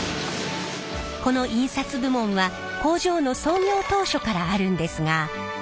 この印刷部門は工場の創業当初からあるんですが。